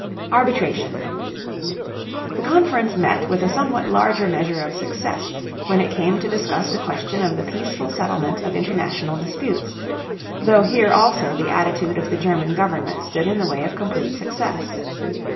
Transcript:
ARBITRATION. The conference met with a somewhat larger measure of success when it came to discuss the question of the peaceful settlement of international disputes, though here also the attitude of the German government stood in the way of complete success.